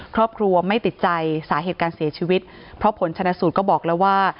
ครอบครัวไม่ติดใจสาเหตุการเสียชีวิตเพราะผลชนะสูตรก็บอกแล้วว่า